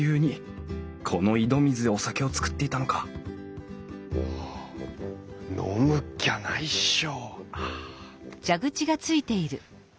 この井戸水でお酒を造っていたのか飲むっきゃないっしょ！